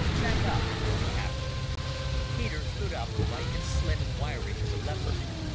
"Stand up," said the Captain. Peter stood up, light and slim and wiry as a leopard.